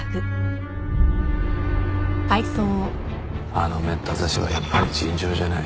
あのメッタ刺しはやっぱり尋常じゃない。